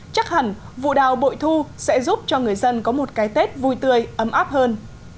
chắc hẳn vụ đào bội thu sẽ giúp cho người dân có một cái tết vui tươi ấm áp hơn